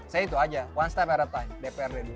saya itu aja one step a time dprd dulu